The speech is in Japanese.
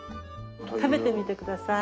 食べてみて下さい。